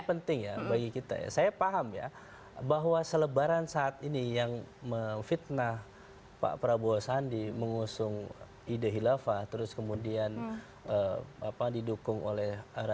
ini penting ya bagi kita ya saya paham ya bahwa selebaran saat ini yang memfitnah pak prabowo sandi mengusung ide hilafah terus kemudian didukung oleh